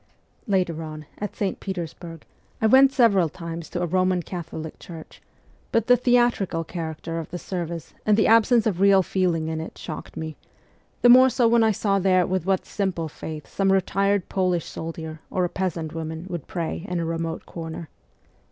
Later on, at St. Petersburg, I went several times to a Roman Catholic church, but the theatrical character of the service and the absence of real feeling in it shocked me, the more so when I saw there with what simple faith some retired Polish soldier or a peasant woman would pray in a remote corner.